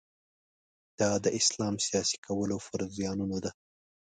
دا د اسلام سیاسي کولو پر زیانونو ده.